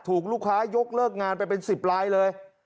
ถูกลูกค้ายกเลิกงานไปเป็น๑๐ลายเลย